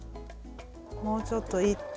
もうちょっと行って。